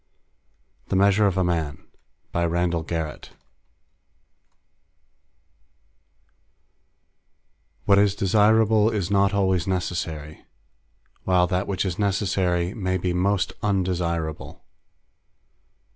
THE MEASURE OF A MAN by RANDALL GARRETT Illustrated by Martinez _What is desirable is not always necessary, while that which is necessary may be most undesirable.